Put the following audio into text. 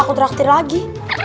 aku traktir lagi